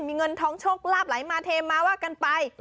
มีเงินทองโชคลาภไหลมาเทมาว่ากันไป